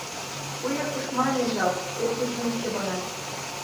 Выльӑх кӑшманӗ ҫав! Эп те ҫиместӗп ӑна!